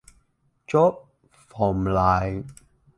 Chốt phòng lại